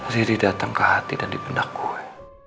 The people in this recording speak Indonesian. riri datang ke hati dan dipendah gue